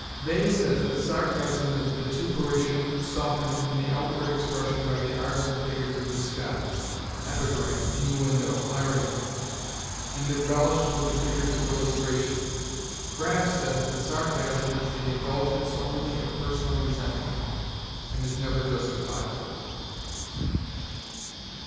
Bain says that sarcasm is vituperation softened in the outward expression by the arts and figures of disguise epigram, innuendo, irony and embellished with the figures of illustration. Crabb says that sarcasm is the indulgence only of personal resentment, and is never justifiable.